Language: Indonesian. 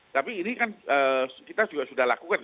tapi ini kan kita juga sudah lakukan